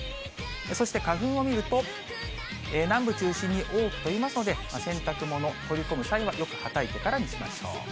そして花粉を見ると、南部中心に多く飛びますので、洗濯物、取り込む際はよくはたいてからにしましょう。